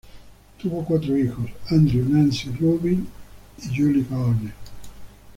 Tuvo cuatro hijos: Andrew, Nancy, Rubin y Julie Gardner.